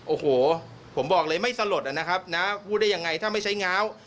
โอ้โหผมบอกเลยไม่สลดนะครับนะพูดได้ยังไงถ้าไม่ใช้ง้าว